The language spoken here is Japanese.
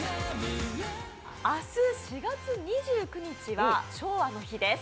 明日４月２９日は昭和の日です